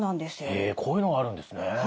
へえこういうのがあるんですね。